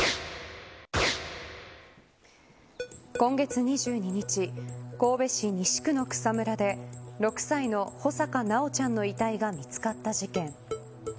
今月２２日神戸市西区の草むらで６歳の穂坂修ちゃんの遺体が見つかった事件。